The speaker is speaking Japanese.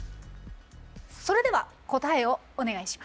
それでは答えをお願いします。